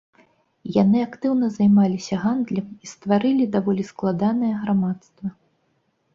Яны актыўна займаліся гандлем і стварылі даволі складанае грамадства.